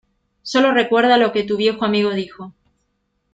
Sólo recuerda lo que tu viejo amigo dijo.